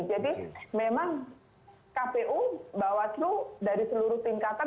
jadi memang kpu bawaslu dari seluruh tingkatan